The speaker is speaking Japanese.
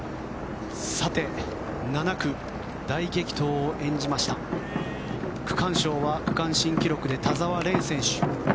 さて、７区大激闘を演じました区間賞は区間新記録で田澤廉選手。